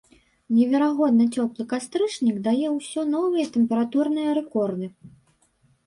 Неверагодна цёплы кастрычнік дае ўсё новыя тэмпературныя рэкорды.